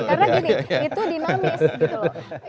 karena gini itu dinamis gitu loh